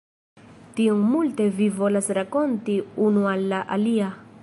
Tiom multe vi volas rakonti unu al la alia.